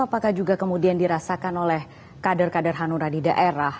apakah juga kemudian dirasakan oleh kader kader hanura di daerah